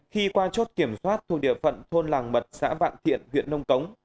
khi qua chốt kiểm soát thuộc địa phận thôn làng mật xã vạn thiện huyện nông cống